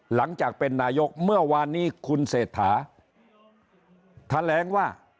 หลังจากเป็นนายกเมื่อวานนี้คุณเศรษฐาแถลงว่า